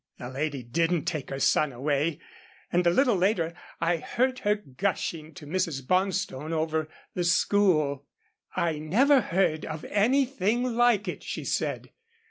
The lady didn't take her son away, and a little later I heard her gushing to Mrs. Bonstone over the school. "I never heard of anything like it," she said.